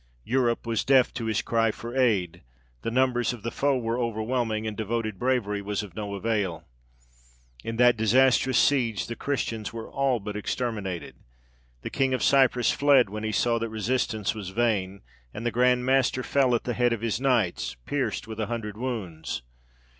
Europe was deaf to his cry for aid, the numbers of the foe were overwhelming, and devoted bravery was of no avail. In that disastrous siege the Christians were all but exterminated. The king of Cyprus fled when he saw that resistance was vain, and the Grand Master fell at the head of his knights, pierced with a hundred wounds.